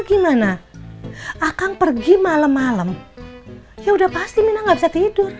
gimana akan pergi malem malem ya udah paham ya ya udah udah udah udah udah udah udah udah udah